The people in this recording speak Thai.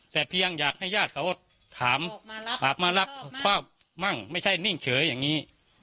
แต่เพียงอยากให้ญาติเขาถามหากมารับพ่อมั่งไม่ใช่นิ่งเฉยอย่างนี้